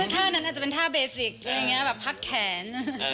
ท่านั้นอาจจะเป็นท่าเบสิกแบบพักแขน